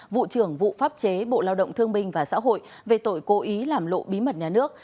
vụ trưởng vụ pháp chế bộ lao động thương minh và xã hội về tội cố ý làm lộ bí mật nhà nước